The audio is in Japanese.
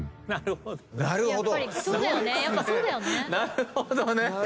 なるほどね。